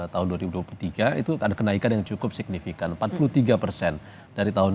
tahun dua ribu dua puluh tiga itu ada kenaikan yang cukup signifikan